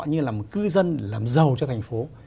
như là một cư dân làm giàu cho thành phố